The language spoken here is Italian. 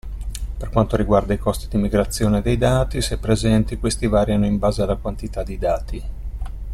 Per quanto riguarda i costi di migrazione dei dati, se presenti, questi variano in base alla quantità di dati.